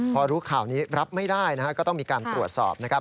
พอรู้ข่าวนี้รับไม่ได้ก็ต้องมีการตรวจสอบ